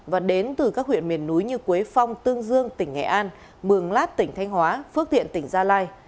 và đến từ các huyện miền núi như quế phong tương dương tỉnh nghệ an mường lát tỉnh thanh hóa phước tiện tỉnh gia lai